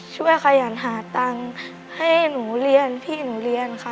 ขยันหาตังค์ให้หนูเรียนพี่หนูเรียนค่ะ